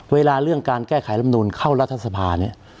เวลาเรื่องการแก้ไขรับนูลเข้ารัฐสภา